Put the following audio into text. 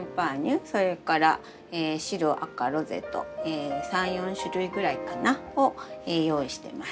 それから白赤ロゼと３４種類ぐらいかな？を用意してます。